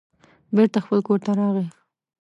بېرته خپل کور ته راغی.